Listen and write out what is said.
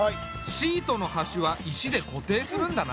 シートの端は石で固定するんだな。